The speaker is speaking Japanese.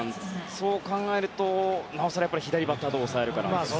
そう考えるとなおさら、左バッターをどう抑えるかですね。